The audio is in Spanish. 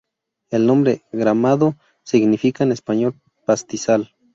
El nombre "Gramado" significa en español "pastizal".